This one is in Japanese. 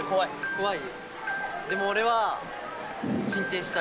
怖い。